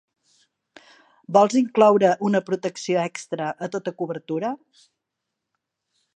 Vols incloure una protecció extra a tota cobertura?